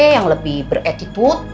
yang lebih beretitude